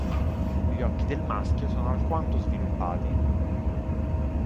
Gli occhi del maschio sono alquanto sviluppati.